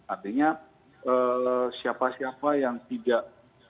artinya siapa siapa yang tidak